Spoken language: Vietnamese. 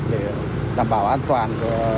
để đảm bảo an toàn